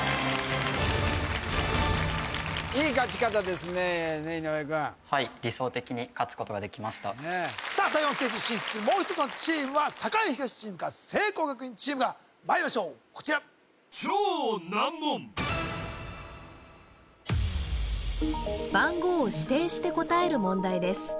いい勝ち方ですね井上君さあ第４ステージに進出するもう一つのチームは栄東チームか聖光学院チームかまいりましょうこちら番号を指定して答える問題です